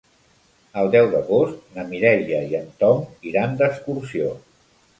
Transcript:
El deu d'agost na Mireia i en Tom iran d'excursió.